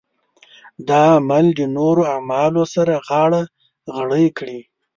دا عمل د نورو اعمالو سره غاړه غړۍ کړي.